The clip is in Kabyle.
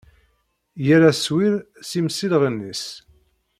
Yal aswir s yimsilɣen-is.